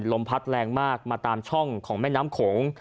ลมพัดแรงมากมาตามช่องของแม่น้ำโขง